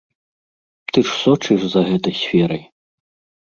Ты ж сочыш за гэтай сферай?